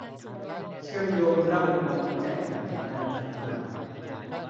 เชื่อมโยงระบบงานวิจัยของหน่วยงานต่างต่าง